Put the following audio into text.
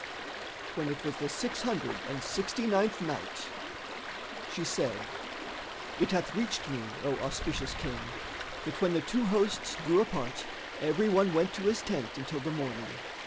When it was the Six Hundred and Sixty ninth Night, She said, It hath reached me, O auspicious King, that when the two hosts drew apart, every one went to his tent until the morning.